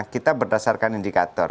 kita berdasarkan indikator